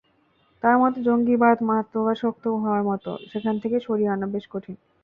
তাঁর মতে, জঙ্গিবাদ মাদকাসক্ত হওয়ার মতো, সেখান থেকে সরিয়ে আনা বেশ কঠিন।